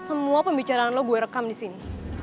semua pembicaraan lu gue rekam disini